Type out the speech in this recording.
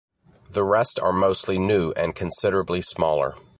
The rest are mostly new and considerably smaller.